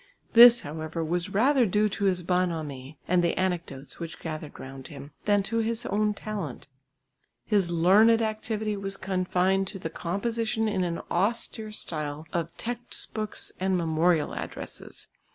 This, however, was rather due to his bonhomie and the anecdotes which gathered round him, then to his own talent. His learned activity was confined to the composition in an austere style of textbooks and memorial addresses.